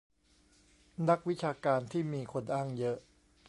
นักวิชาการที่มีคนอ้างเยอะ